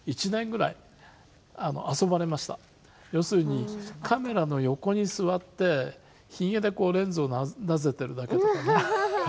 要するにカメラの横に座ってひげでこうレンズをなぜてるだけとかね。アハハハ。